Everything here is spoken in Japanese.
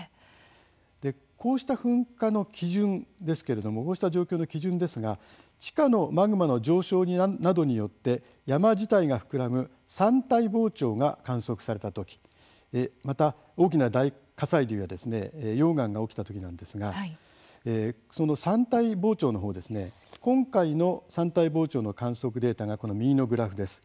こうした噴火の基準ですけれどもこうした状況の基準ですが地下のマグマの上昇などによって山自体が膨らむ山体膨張が観測されたときまた、大きな大火砕流が溶岩が起きたときなんですがその山体膨張のほう今回の山体膨張の観測データがこの右のグラフです。